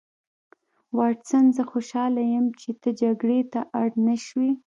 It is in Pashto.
واټسن زه خوشحاله یم چې ته جګړې ته اړ نشوې